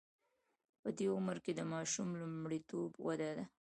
په دې عمر کې د ماشوم لومړیتوب وده ده.